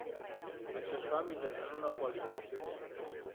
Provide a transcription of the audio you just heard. Això es fa mitjançant una qualificació T.